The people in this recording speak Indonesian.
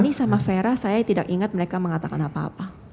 ini sama vera saya tidak ingat mereka mengatakan apa apa